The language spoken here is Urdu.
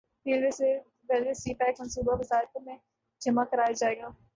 ریلوے سی پیک منصوبہ وزارت میں جمع کرایا جائے گا